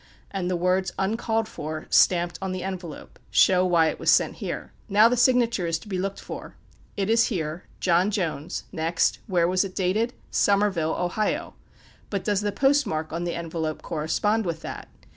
and the words "uncalled for," stamped on the envelope, show why it was sent here. Now, the signature is to be looked for: it is here "John Jones;" next, where was it dated? "Somerville, Ohio;" but does the post mark on the envelope correspond with that?